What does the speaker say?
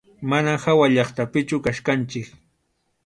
Manam hawallaqtapichu kachkanchik.